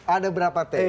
ada berapa t